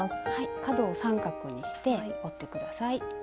角を三角にして折って下さい。